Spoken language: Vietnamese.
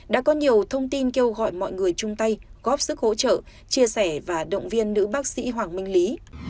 đã có nhiều thông tin kêu gọi mọi người chung tay góp sức hỗ trợ chia sẻ và động viên nữ bác sĩ hoàng minh lý